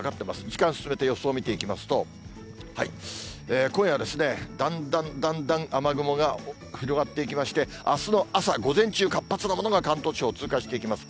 時間進めて予想を見ていきますと、今夜、だんだんだんだん雨雲が広がっていきまして、あすの朝、午前中、活発なものが関東地方通過していきます。